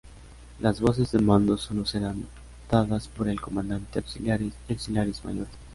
Las voces de mando solo serán dadas por el comandante, auxiliares y auxiliares mayores.